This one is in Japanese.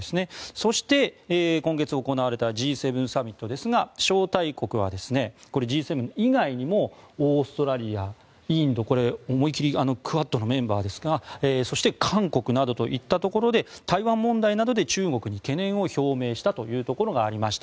そして、今月行われたＧ７サミットですが招待国はＧ７以外にもオーストラリア、インド思い切りクアッドのメンバーですがそして韓国などといったところで台湾問題などで中国に懸念を表明したというところがありました。